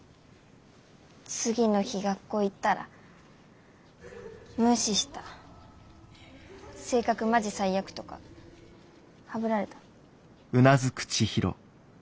次の日学校行ったら「無視した」「性格マジ最悪」とかはぶられた？